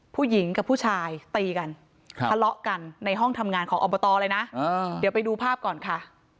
ผู้หญิงกับผู้ชายตีกันทะเลาะกันในห้องทำงานของอบตเลยนะเดี๋ยวไปดูภาพก่อนค่ะ